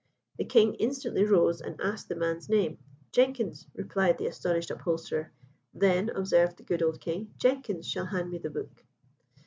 The king instantly rose and asked the man's name. "Jenkins," replied the astonished upholsterer. "Then," observed the good old king, "Jenkins shall hand me the book."